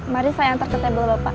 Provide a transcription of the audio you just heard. mari saya antar ke tembo bapak